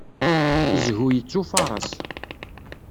Zhu yettufaṛas.